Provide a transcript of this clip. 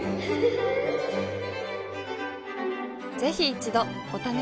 ぜひ一度お試しを。